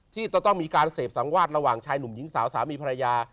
ที่จะต้องมีการเสพสังวาดระหว่างชายหนุ่มหญิงสาวสามีภรรยา